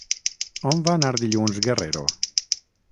On va anar dilluns Guerrero?